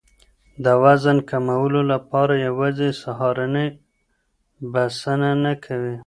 د وزن کمولو لپاره یوازې سهارنۍ بسنه نه کوي.